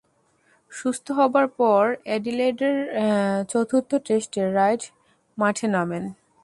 সুস্থ হবার পর অ্যাডিলেডের চতুর্থ টেস্টে রাইট মাঠে নামেন।